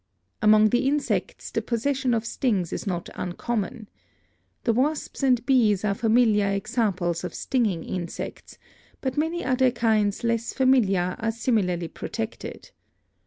Among the insects the possession of stings is not un common. The wasps and bees are familiar examples of stinging insects, but many other kinds less familiar are similarly protected.